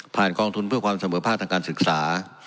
ผ่านกองทุนเพื่อความสำหรับภาคทางการศึกษา